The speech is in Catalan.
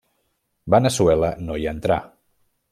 Veneçuela no hi entrà.